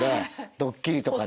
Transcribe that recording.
ドッキリとかの。